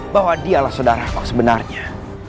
bahwa dialah saudara kau sebenarnya